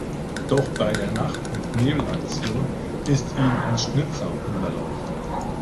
Doch bei der Nacht-und-Nebel-Aktion ist ihnen ein Schnitzer unterlaufen.